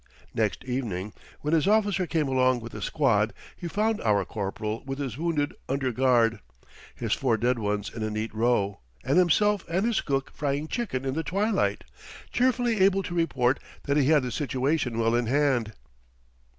Next evening, when his officer came along with a squad, he found our corporal with his wounded under guard, his four dead ones in a neat row, and himself and his cook frying chicken in the twilight, cheerfully able to report that he had the situation well in hand.